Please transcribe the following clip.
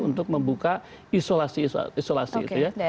untuk membuka isolasi isolasi gitu ya